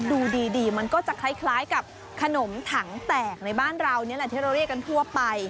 ดูดีมันก็จะคล้ายกับขนมถังแตกในบ้านเรานี่แหละที่เราเรียกกันทั่วไป